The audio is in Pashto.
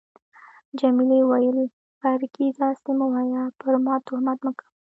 جميلې وويل: فرګي، داسي مه وایه، پر ما تهمت مه کوه.